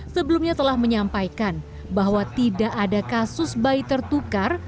sebelumnya telah menyampaikan bahwa tidak ada kasus bayi tertukar